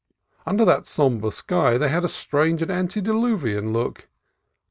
Under that sombre sky they had a strange and antediluvian look.